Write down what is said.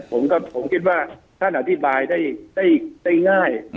ผมก็ผมคิดว่าท่านอธิบายได้ง่าย